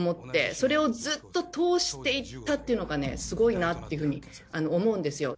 それをずっと通していったっていうのがねすごいなっていうふうに思うんですよ。